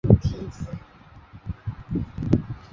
现任校长为杨伟贤先生。